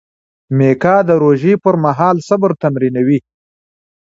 میکا د روژې پر مهال صبر تمرینوي.